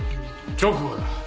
直後だ。